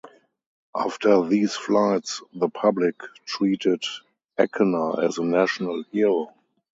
After these flights the public treated Eckener as a national hero.